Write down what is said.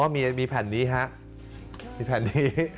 มีแผ่นนี้ฮะมีแผ่นนี้